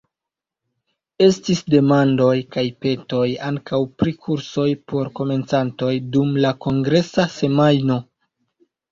Estis demandoj kaj petoj ankaŭ pri kursoj por komencantoj dum la kongresa semajno.